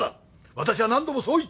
私は何度もそう言って。